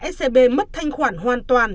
scb mất thanh khoản hoàn toàn